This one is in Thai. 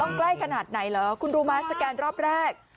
ต้องใกล้ขนาดไหนเหรอคุณรุมะสแกนรอบแรก